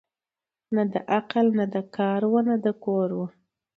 نه د عقل نه د کار وه نه د کور وه